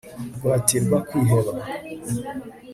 guhatirwa kwiheba